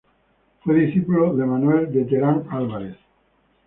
Fue discípulo de Manuel de Terán Álvarez.